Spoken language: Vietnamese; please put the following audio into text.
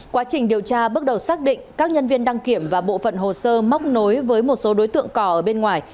quá trình điều tra bước đầu xác định các nhân viên đăng kiểm và bộ phận hồ sơ móc nối với một số đối tượng cỏ ở bên ngoài